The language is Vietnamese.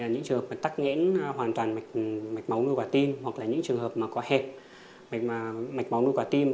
những trường hợp mà tắt nghẽn hoàn toàn mạch máu nuôi quả tim hoặc là những trường hợp mà có hẹp mạch máu nuôi quả tim